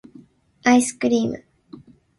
アイスクリーム